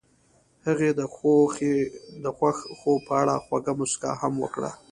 هغې د خوښ خوب په اړه خوږه موسکا هم وکړه.